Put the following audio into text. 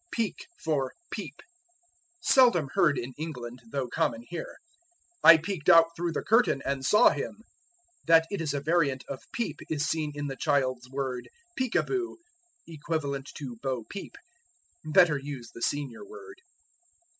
Peek for Peep. Seldom heard in England, though common here. "I peeked out through the curtain and saw him." That it is a variant of peep is seen in the child's word peek a boo, equivalent to bo peep. Better use the senior word.